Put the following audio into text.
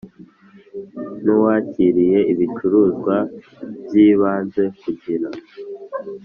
N uwakiriye ibicuruzwa by ibanze kugira